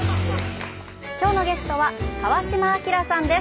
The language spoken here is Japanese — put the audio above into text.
今日のゲストは川島明さんです。